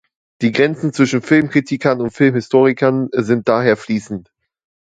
Die Grenzen zwischen Filmkritikern und Filmhistorikern sind daher fließend.